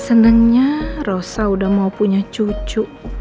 senangnya rosa udah mau punya cucu